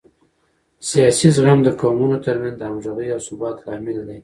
سیاسي زغم د قومونو ترمنځ د همغږۍ او ثبات لامل دی